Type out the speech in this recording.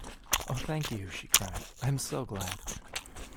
Oh thank you! she cried. I am so glad!